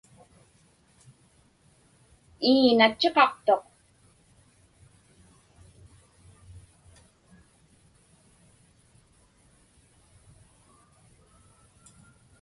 Ii, natchiqaqtuq.